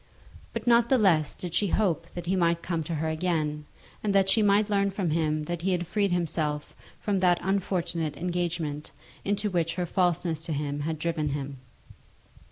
But not the less did she hope that he might come to her again, and that she might learn from him that he had freed himself from that unfortunate engagement into which her falseness to him had driven him.